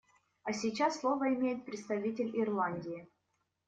А сейчас слово имеет представитель Ирландии.